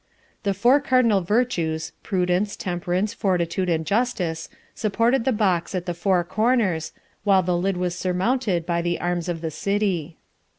The four cardinal virtues, Prudence, Temperance, Fortitude, and Justice, supported the box at the four corners, while the lid was surmounted by the arms of the city.